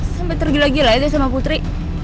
sampai tergila gila ya deh sama putri